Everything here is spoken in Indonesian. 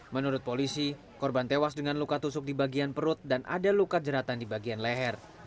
menurut polisi korban tewas dengan luka tusuk di bagian perut dan ada luka jeratan di bagian leher